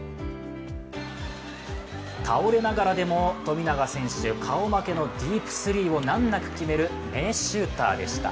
倒れながらでも富永選手顔負けのディープスリーを難なく決める名シューターでした。